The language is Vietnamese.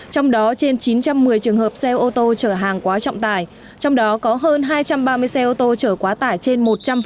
trong đó trên chín trăm một mươi trường hợp xe ô tô chở hàng quá trọng tải trong đó có hơn hai trăm ba mươi xe ô tô chở quá tải trên một trăm linh